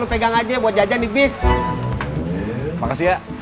oh kayaknya dia mau ke mana